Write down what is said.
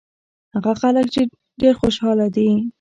هغه خلک ډېر خوشاله دي.